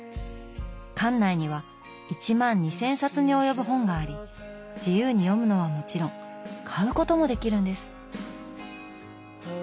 館内には１万２，０００冊に及ぶ本があり自由に読むのはもちろん買うこともできるんです。